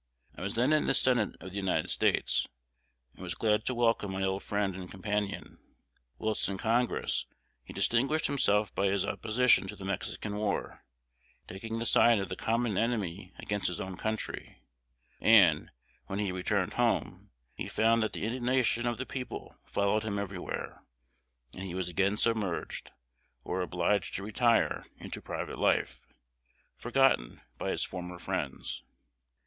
I was then in the Senate of the United States, and was glad to welcome my old friend and companion. Whilst in Congress, he distinguished himself by his opposition to the Mexican War, taking the side of the common enemy against his own country; and, when he returned home, he found that the indignation of the people followed him everywhere, and he was again submerged, or obliged to retire into private life, forgotten by his former friends.